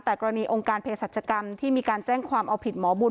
แต่กรณีองค์การเพศรัชกรรมที่มีการแจ้งความเอาผิดหมอบุญ